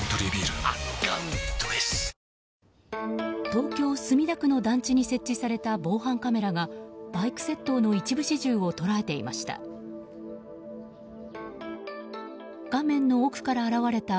東京・墨田区の団地に設置された防犯カメラがバイク窃盗の一部始終を捉えていました。